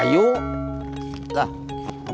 itu enggak teriak siman